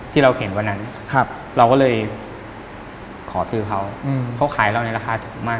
ที่เราเห็นวันนั้นเราก็เลยขอซื้อเขาเขาขายเราในราคาถูกมาก